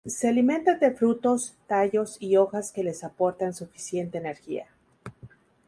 Se alimentan de frutos, tallos y hojas que les aportan suficiente energía.